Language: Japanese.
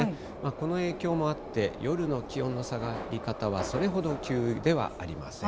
この影響もあって、夜の気温の下がり方はそれほど急ではありません。